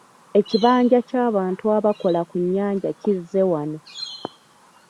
Ekibanja ky'abantu abakola ku nnyanja kizze wano.